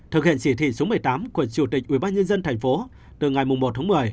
thực hiện chỉ thị số một mươi tám của chủ tịch ubnd tp từ ngày một tháng một mươi